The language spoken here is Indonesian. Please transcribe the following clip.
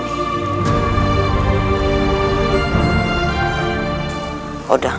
jangan soling berada di arah mama